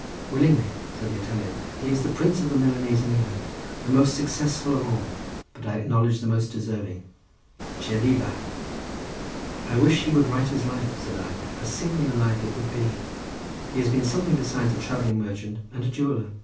"Willingly!" said the Italian. "He is the prince of the Milanese of England—the most successful of all, but I acknowledge the most deserving. Che viva." "I wish he would write his life," said I; "a singular life it would be—he has been something besides a travelling merchant, and a jeweller.